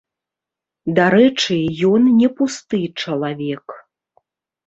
Дарэчы, ён не пусты чалавек.